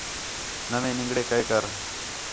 نَوے نِنگڑے کَئے کر